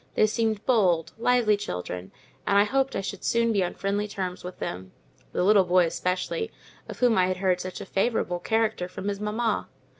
They seemed bold, lively children, and I hoped I should soon be on friendly terms with them—the little boy especially, of whom I had heard such a favourable character from his mamma.